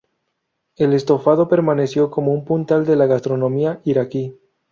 El estofado permaneció como un puntal de la gastronomía iraquí.